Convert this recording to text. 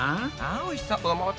あおいしそう。